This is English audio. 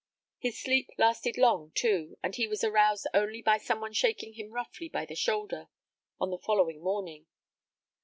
His sleep lasted long, too, and he was aroused only by some one shaking him roughly by the shoulder on the following morning.